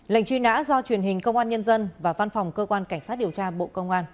lệnh truy nã do truyền hình công an nhân dân và văn phòng cơ quan cảnh sát điều tra bộ công an